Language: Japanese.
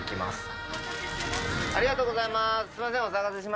ありがとうございます。